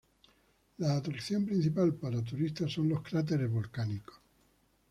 La atracción principal para turistas son los cráteres volcánicos.